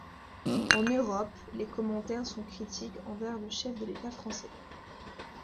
En Europe, les commentaires sont critiques envers le chef de l’État français.